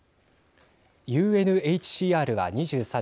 ＵＮＨＣＲは２３日